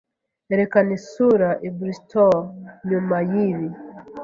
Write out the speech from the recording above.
erekana isura i Bristol nyuma yibi. ”